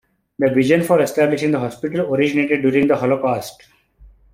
The vision for establishing the hospital originated during the Holocaust.